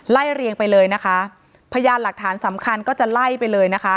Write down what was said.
เรียงไปเลยนะคะพยานหลักฐานสำคัญก็จะไล่ไปเลยนะคะ